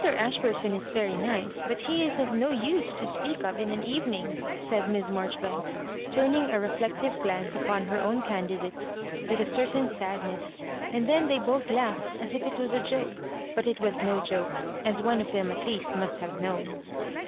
Ashburton is very nice; but he is of no use to speak of in an evening," said Miss Marjoribanks, turning a reflective glance upon her own candidate with a certain sadness ; and then they both laughed as if it was a joke ; but it was no joke, as one of them at least must have known.